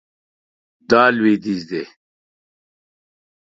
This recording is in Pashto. دا لویدیځ دی